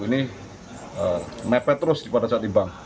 ini nepet terus pada saat dibang